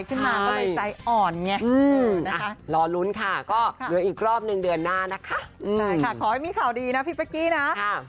ขอให้มีข่าวดีนะพี่ปะกี้นะ